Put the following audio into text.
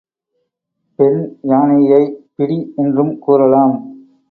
பெண் யானையைப் பிடி என்றும் கூறலாம்.